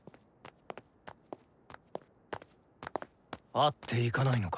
会っていかないのか？